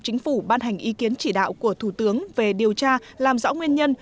chính phủ ban hành ý kiến chỉ đạo của thủ tướng về điều tra làm rõ nguyên nhân